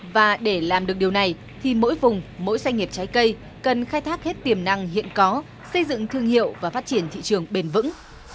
và để làm được điều này thì mỗi vùng mỗi doanh nghiệp trái cây cần khai thác hết tiềm năng hiện có xây dựng thương hiệu và phát triển thị trường bền vững